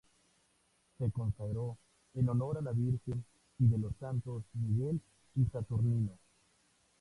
Se consagró en honor a la Virgen y de los santos Miguel y Saturnino.